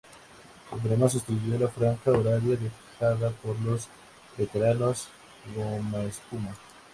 El programa sustituyó la franja horaria dejada por los veteranos "Gomaespuma".